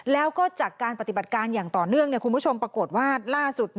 แล้วก็จากการปฏิบัติการอย่างต่อเนื่องคุณผู้ชมปรากฏว่าล่าสุด